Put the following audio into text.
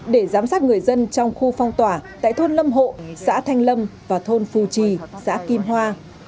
để giám sát người dân trong khu phong tỏa tại thôn lâm hộ xã thanh lâm và thôn phù trì xã kim hoa